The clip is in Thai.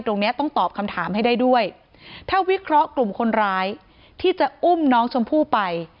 เนี้ยต้องตอบคำถามให้ได้ด้วยถ้าวิเคราะห์กลุ่มคนร้ายที่จะอุ้มน้องชมพู่ไป